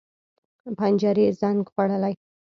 پنجرې زنګ خوړلي